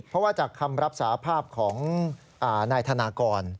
เพราะว่าจากคำรับสาภาพของนายธนากร